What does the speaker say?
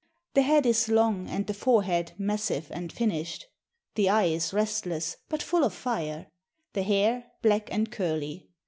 The head is long, and the forehead massive and finished. The eye is restless, but full of fire; the hair black and curly.